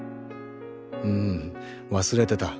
ん忘れてた。